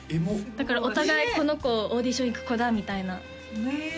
だからお互い「この子オーディション行く子だ」みたいなへえ